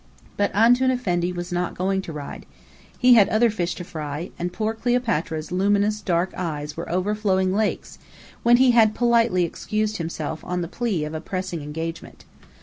But Antoun Effendi was not going to ride. He had other fish to fry; and poor Cleopatra's luminous dark eyes were like overflowing lakes, when he had politely excused himself on the plea of a pressing engagement.